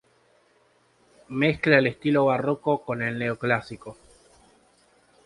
Mezcla el estilo barroco con el neoclásico.